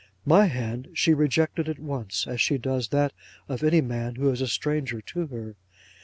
My hand she rejected at once, as she does that of any man who is a stranger to her.